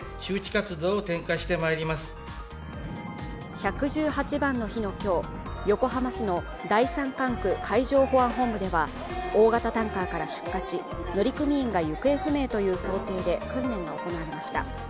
１１８番の日の今日、横浜市の第三管区海上保安本部では大型タンカーから出火し、乗組員が行方不明という想定で訓練が行われました。